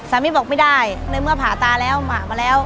ไม่ได้บอกไม่ได้ในเมื่อผ่าตาแล้วหมามาแล้ว